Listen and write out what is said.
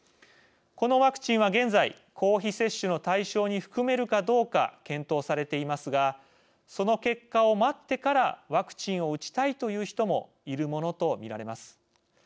このワクチンは、現在公費接種の対象に含めるかどうか検討されていますがその結果を待ってからワクチンを打ちたいという人もいるものと見られます。